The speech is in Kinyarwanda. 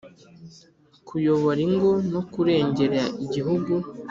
kuyobora ingo no kurengera igihugu.